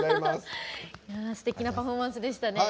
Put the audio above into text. すてきなパフォーマンスでしたね。